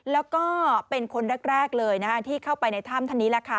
แล้วก็เป็นคนแรกเลยที่เข้าไปในถ้ำท่านนี้แหละค่ะ